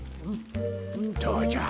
どうじゃ？